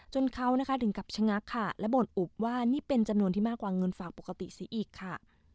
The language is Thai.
จนเขานะคะถึงกับชะงักค่ะและบ่นอุบว่านี่เป็นจำนวนที่มากกว่าเงินฝากปกติซะอีกค่ะ